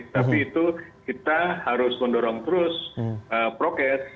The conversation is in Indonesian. tapi itu kita harus mendorong terus prokes